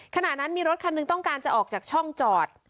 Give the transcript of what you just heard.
ขณะนั้นมีรถคันหนึ่งต้องการจะออกจากช่องจอด